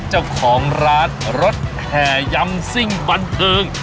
เจ้าของร้านรถแห่ยำซิ่งบันเทิง